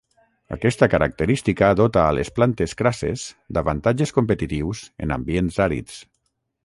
Aquesta característica dota a les plantes crasses d'avantatges competitius en ambients àrids.